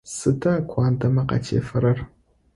Сыда куандэмэ къатефэрэр?